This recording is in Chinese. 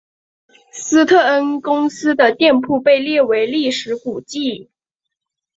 斯特恩公司的店铺被列为历史古迹。